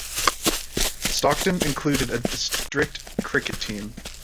Stockton includes a district cricket team.